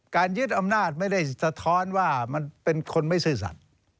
ยึดอำนาจไม่ได้สะท้อนว่ามันเป็นคนไม่ซื่อสัตว์